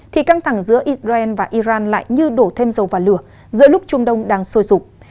thì căng thẳng giữa israel và iran lại như đổ thêm dầu vào lửa giữa lúc trung đông đang sôi sụp